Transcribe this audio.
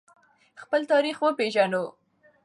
خپل تاریخ وپیژنو.